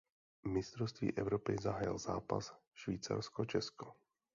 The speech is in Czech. Mistrovství Evropy zahájil zápas Švýcarsko–Česko.